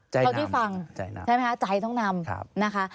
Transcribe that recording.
เท่าที่ฟังใช่ไหมคะใจต้องนำนะคะ